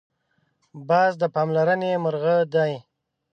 باز د پاملرنې مرغه دی